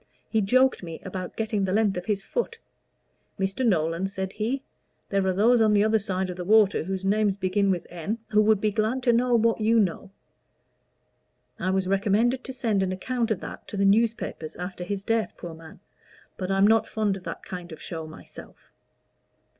He joked me about getting the length of his foot. 'Mr. Nolan,' said he, 'there are those on the other side of the water whose name begins with N. who would be glad to know what you know.' I was recommended to send an account of that to the newspapers after his death, poor man! but I'm not fond of that kind of show myself."